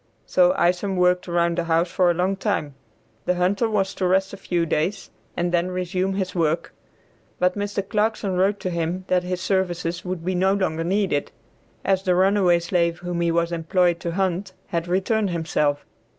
So Isom worked around the house for a long time. The hunter was to rest a few days, and then resume his work, but Mr. Clarkson wrote to him that his services would be no longer needed, as the runaway slave whom he was employed to hunt had returned himself.